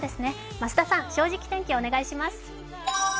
増田さん、「正直天気」、お願いします。